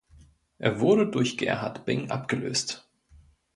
Er wurde durch Gerhard Bing abgelöst.